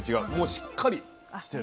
しっかりしてる。